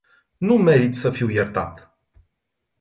Nu merit sa fiu iertat.